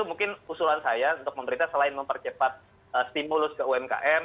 mungkin usulan saya untuk pemerintah selain mempercepat stimulus ke umkm